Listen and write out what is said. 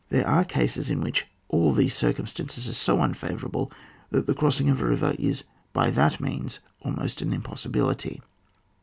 There are cases in which all these circumstances are so unfavourable, that the crossing of a river is hy that means almost an im possibility.